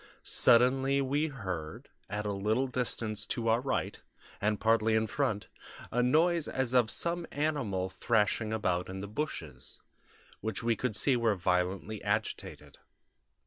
Suddenly, we heard, at a little distance to our right, and partly in front, a noise as of some animal thrashing about in the bushes, which we could see were violently agitated.